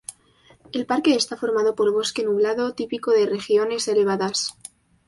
El parque está formado por bosque nublado, típico de regiones elevadas.